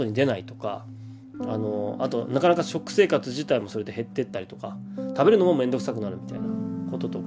あとなかなか食生活自体もそれで減ってったりとか食べるのもめんどくさくなるみたいなこととか。